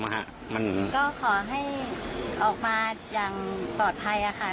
ก็ขอให้ออกมาอย่างปลอดภัยค่ะ